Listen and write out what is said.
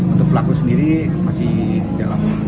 untuk pelaku sendiri masih dalam